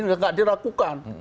ini gak diragukan